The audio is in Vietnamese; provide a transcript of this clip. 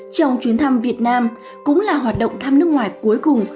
trong chuyến thăm việt nam cũng là hoạt động thăm nước ngoài cuối cùng